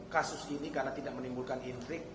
kasus ini karena tidak menimbulkan intrik